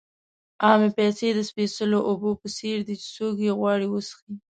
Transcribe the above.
عامې پیسې د سپېڅلو اوبو په څېر دي چې څوک یې غواړي وڅښي.